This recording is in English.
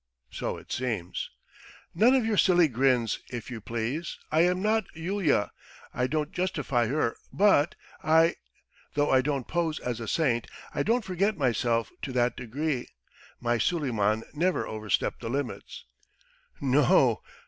"So it seems!" "None of your silly grins, if you please! I am not a Yulia. ... I don't justify her but I ...! Though I don't pose as a saint, I don't forget myself to that degree. My Suleiman never overstepped the limits. ... No o!